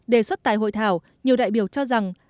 đề xuất tại hội thảo nhiều đại biểu cho rằng